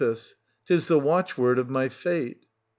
Tis the watchword of my fate.